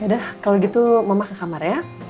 ya udah kalau gitu mama ke kamar ya